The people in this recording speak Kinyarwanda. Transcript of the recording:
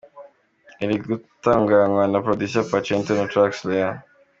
Iri gutunganywa na Producer Pacento na Trackslayer.